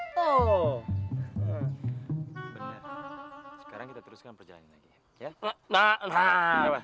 benar sekarang kita teruskan perjalanan lagi